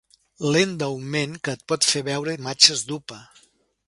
Lent d'augment que et por fer veure imatges d'upa.